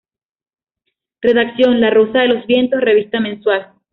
Redacción: "La Rosa de los Vientos", revista mensual.